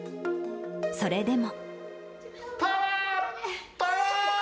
それでも。